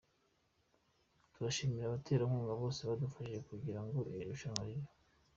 Turashimira abaterankunga bose badufashije kugira ngo iri rushanwa ribe.